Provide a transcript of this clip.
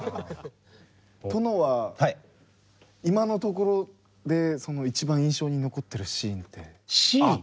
殿は今のところで一番印象に残ってるシーンって。シーン？